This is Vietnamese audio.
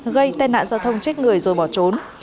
gây tai nạn giao thông chết người rồi bỏ trốn